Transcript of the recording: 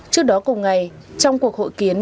trước đó cùng ngày trong cuộc hội kiến